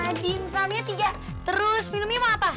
eee dimsalnya tiga terus minumnya mau apa